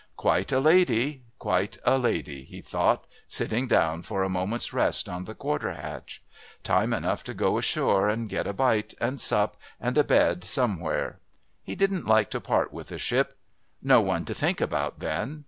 Quite a lady, quite a lady, he thought, sitting down for a moment's rest on the quarter hatch. Time enough to go ashore and get a bite, and sup, and a bed somewhere. He didn't like to part with a ship. No one to think about then.